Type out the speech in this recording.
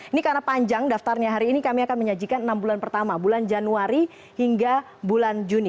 ini karena panjang daftarnya hari ini kami akan menyajikan enam bulan pertama bulan januari hingga bulan juni